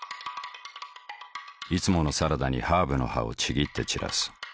いつものサラダにハーブの葉をちぎって散らす。